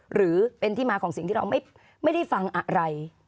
หรือเป็นที่มาของสิ่งที่เราไม่ได้ฟังอะไร